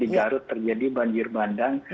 di garut terjadi banjir bandang